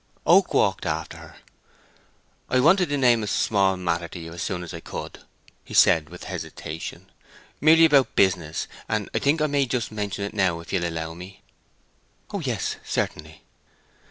Oak walked after her. "I wanted to name a small matter to you as soon as I could," he said, with hesitation. "Merely about business, and I think I may just mention it now, if you'll allow me." "Oh yes, certainly."